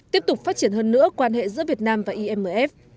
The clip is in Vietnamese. tiếp tục phát triển hơn nữa quan hệ giữa việt nam và imf